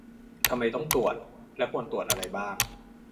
ทำไมต้องตรวจ และควรตรวจอะไรบ้าง